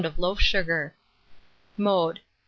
of loaf sugar. Mode.